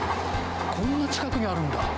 こんな近くにあるんだ。